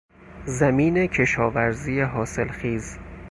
زمین کشاورزی حاصلخیز